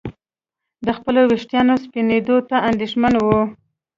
د خپلو ویښتانو سپینېدو ته اندېښمن وي.